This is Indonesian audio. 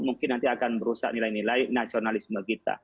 mungkin nanti akan merusak nilai nilai nasionalisme kita